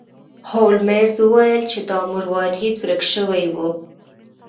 هولمز وویل چې دا مروارید ورک شوی و.